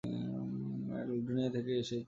মালডোনিয়া থেকে এসেছি।